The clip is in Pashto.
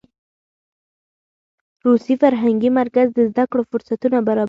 روسي فرهنګي مرکز د زده کړو فرصتونه برابرول.